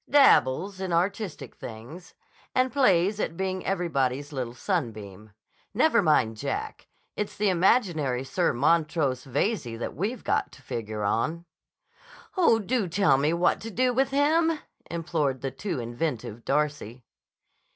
"Dabbles in artistic things. And plays at being everybody's little sunbeam. Never mind Jack. It's the imaginary Sir Montrose Veyze that we've got to figure on." "Oh, do tell me what to do with him!" implored the too inventive Darcy.